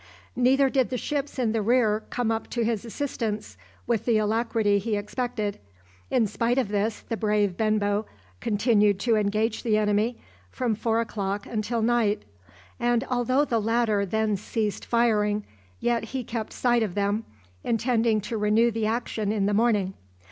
Neither did the ships in the rear come up to his assistance with the alacrity he expected. In spite of this, the brave Benbow continued to engage the enemy from four o'clock until night, and although the latter then ceased firing, yet he kept sight of them, intending to renew the action in the morning.